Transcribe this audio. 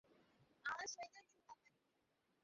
তাজউদ্দীন আহমদ দৃঢ়তা ও নিষ্ঠার সাথে এতে নেতৃত্ব দেন।